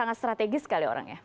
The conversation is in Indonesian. anda memang strategis sekali orang ya